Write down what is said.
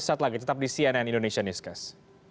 sesaat lagi tetap di cnn indonesia newscast